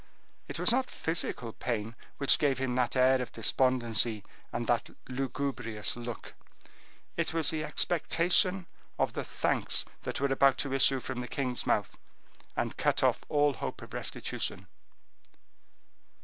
It was not physical pain which gave him that air of despondency, and that lugubrious look; it was the expectation of the thanks that were about to issue from the king's mouth, and cut off all hope of restitution.